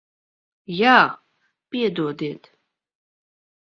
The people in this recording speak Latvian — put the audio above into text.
Jā. Piedodiet.